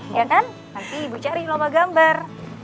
ya kan nanti ibu cari lomba gambar